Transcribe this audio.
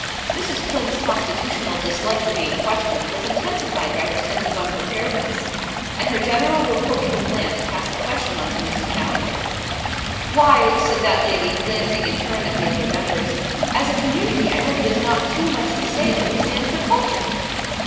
Mrs. Plinth's constitutional dislike to being questioned was intensified by her sense of unpreparedness; and her reproachful glance passed the question on to Mrs. Ballinger. "Why," said that lady, glancing in turn at the other members, "as a community I hope it is not too much to say that we stand for culture."